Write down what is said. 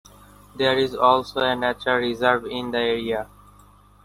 There is also a nature reserve in the area.